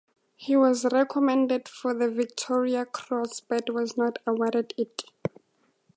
He was recommended for the Victoria Cross but was not awarded it.